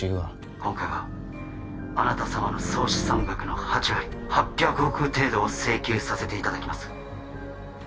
今回はあなた様の総資産額の８割８００億程度を請求させていただきます